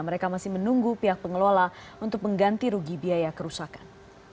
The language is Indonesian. mereka masih menunggu pihak pengelola untuk mengganti rugi biaya kerusakan